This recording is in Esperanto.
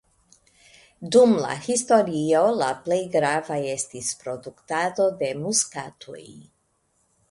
Dum la historio la plej grava estis produktado de muskatoj.